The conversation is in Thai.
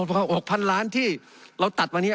๑๖๐๐๐ล้านล้านที่เราตัดอันนี้